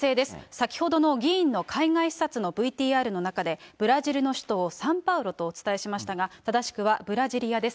先ほどの議員の海外視察のＶＴＲの中で、ブラジルの首都をサンパウロとお伝えしましたが、正しくはブラジリアです。